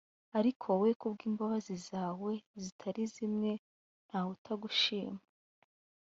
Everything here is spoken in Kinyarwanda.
ariko wowe ku bw ‘ imbabazi zawe zitari zimwe ntawutagushima.